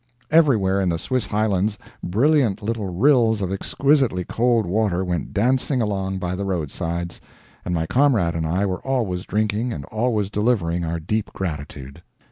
Everywhere in the Swiss highlands brilliant little rills of exquisitely cold water went dancing along by the roadsides, and my comrade and I were always drinking and always delivering our deep gratitude.